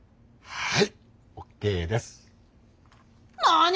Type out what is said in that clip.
はい。